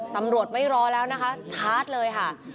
ตำรวจไม่รอแล้วนะคะชาร์จเลยค่ะ